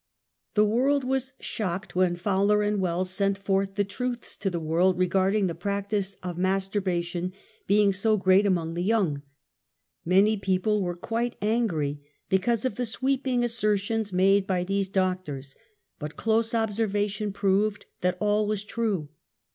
The world was shocked when Fowler & Wells sent forth the truths to the world regarding the practice of masturbation being so great among the young. Many people were quite angry because of the sweeping assertions made by these doctors, but close observation proved that all was true.